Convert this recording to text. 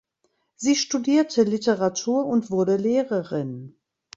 Sie studierte Literatur und wurde Lehrerin.